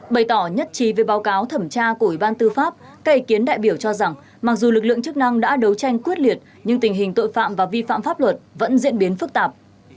bày tỏ nhất trí về báo cáo thẩm tra của ủy ban tư pháp cây kiến đại biểu cho rằng mặc dù lực lượng chức năng đã đấu tranh quyết liệt nhưng tình hình tội phạm và vi phạm pháp luật vẫn diễn biến phức tạp